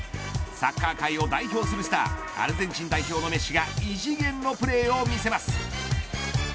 サッカー界を代表するスターアルゼンチン代表のメッシが異次元のプレーを見せます。